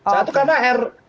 satu karena r